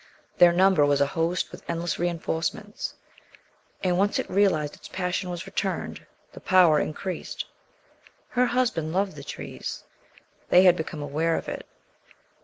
Their number was a host with endless reinforcements, and once it realized its passion was returned the power increased.... Her husband loved the trees.... They had become aware of it....